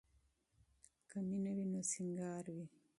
که مینه وي نو سینګار وي.